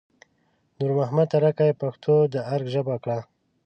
نور محمد تره کي پښتو د ارګ ژبه کړه